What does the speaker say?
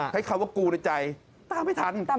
ใช้คำว่ากูในใจตามไม่ทัน